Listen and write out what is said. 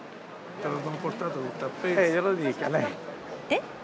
えっ？